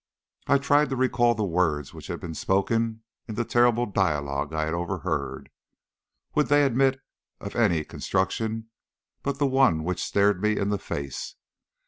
I tried to recall the words which had been spoken in the terrible dialogue I had overheard. Would they admit of any construction but the one which stared me in the face?